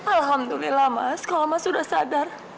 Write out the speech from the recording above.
alhamdulillah mas kalau mas sudah sadar